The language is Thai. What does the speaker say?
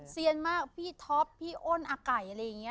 เซียนมากพี่ท็อปพี่อ้นอาไก่อะไรอย่างนี้